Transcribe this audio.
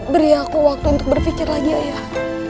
beri aku waktu untuk berpikir lagi ayah